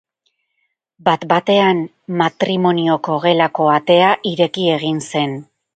Bat-batean, matrimonioko gelako atea ireki egin zen.